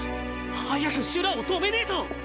早くシュラを止めねぇと！